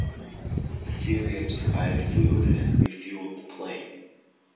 The Syrians provided food and refueled the plane.